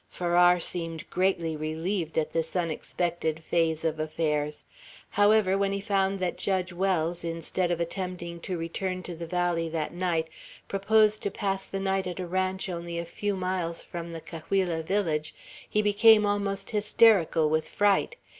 Farrar seemed greatly relieved at this unexpected phase of affairs. However, when he found that Judge Wells, instead of attempting to return to the valley that night, proposed to pass the night at a ranch only a few miles from the Cahuilla village, he became almost hysterical with fright.